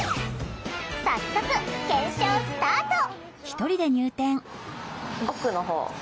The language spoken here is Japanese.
早速検証スタート！